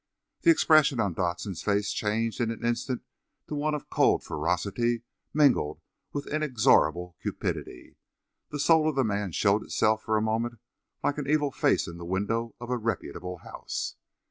The expression on Dodson's face changed in an instant to one of cold ferocity mingled with inexorable cupidity. The soul of the man showed itself for a moment like an evil face in the window of a reputable house.